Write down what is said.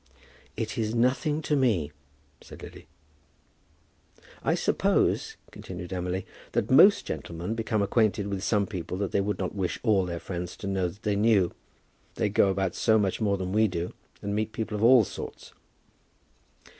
"It is nothing to me," said Lily. "I suppose," continued Emily, "that most gentlemen become acquainted with some people that they would not wish all their friends to know that they knew. They go about so much more than we do, and meet people of all sorts."